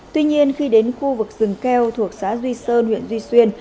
tuy nhiên khi đến khu vực rừng keo thuộc xã duy sơn huyện duy xuyên